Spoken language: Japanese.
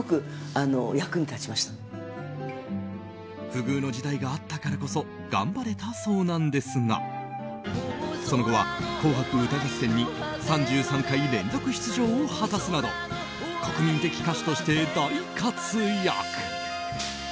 不遇の時代があったからこそ頑張れたそうなんですがその後は、「紅白歌合戦」に３３回連続出場を果たすなど国民的歌手として大活躍。